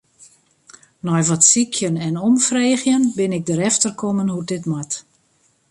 Nei wat sykjen en omfreegjen bin ik derefter kommen hoe't dit moat.